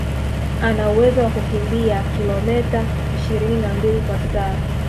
Ana uwezo wa kukimbia kilometa ishirini na mbili kwa saa